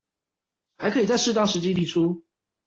還可以在適當時機提出